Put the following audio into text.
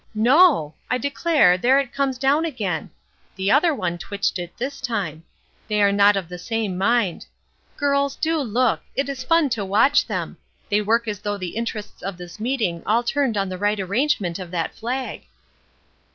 No! I declare, there it comes down again! The other one twitched it this time; they are not of the same mind. Girls, do look! It is fun to watch them; they work as though the interests of this meeting all turned on a right arrangement of that flag."